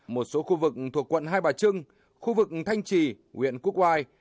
một số khu vực thuộc quận hai bà trưng khu vực thanh trì huyện quốc oai